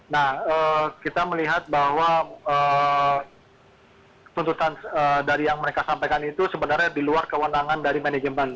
nah kita melihat bahwa tuntutan dari yang mereka sampaikan itu sebenarnya di luar kewenangan dari manajemen